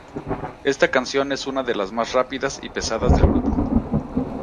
Esta canción es unas de las más rápidas y pesadas del grupo.